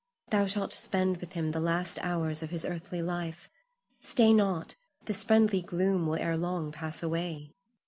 Thou shalt spend with him the last hours of his earthly life. Stay not; this friendly gloom will ere long pass away.